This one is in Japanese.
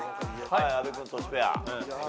阿部君トシペア。